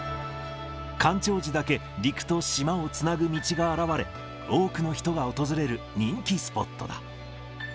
干潮時だけ陸と島をつなぐ道が現れ、多くの人が訪れる人気スポットだ。